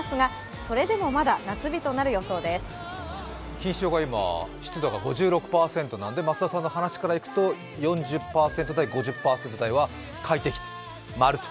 錦糸町が今、湿度が５６％なので増田さんの話からすると４０％台、５０％台は快適と。